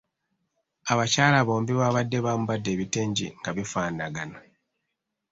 Abakyala bombi baabadde bambadde ebitengi nga bifaanagana.